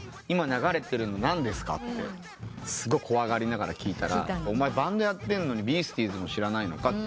「今流れてるの何ですか？」ってすごい怖がりながら聴いたら「お前バンドやってんのにビースティーズも知らないのか？」